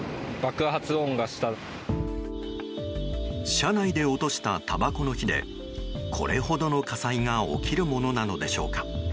車内で落とした、たばこの火でこれほどの火災が起きるものなのでしょうか。